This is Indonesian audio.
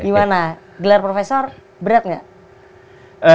gimana gelar profesor berat nggak